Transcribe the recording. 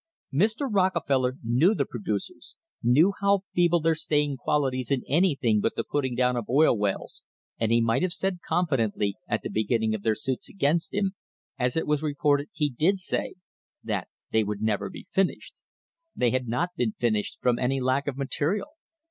Mr. Rockefeller knew the producers, knew how feeble their staying qualities in anything but the putting down of oil wells, and he may have said confidently, at the begin ning of their suits against him, as it was reported he did say, that they would never be finished. They had not been finished from any lack of material.